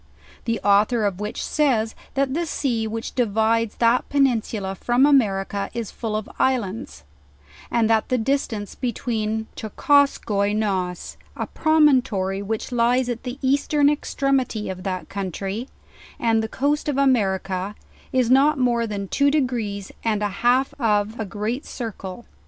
The author of which says, that the sea which di vides that peninsula from America is full of islands, and that the distance between Tschukostskoi NOES, a promontory which lies' at the eastern extremity of that country, and the coast of America, is not more than two degrees and a half of a great circle.